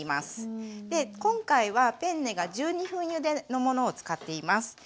今回はペンネが１２分ゆでのものを使っています。